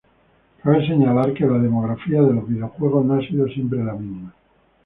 Cabe señalar que la demografía de los videojuegos no ha sido siempre la misma.